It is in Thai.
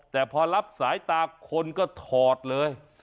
แต่พอรับสายตาคนก็ถอดเลย